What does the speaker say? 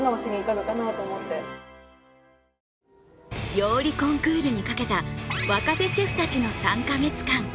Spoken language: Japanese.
料理コンクールにかけた若手シェフたちの３か月間。